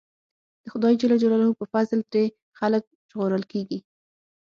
د خدای ج په فضل ترې خلک ژغورل کېږي.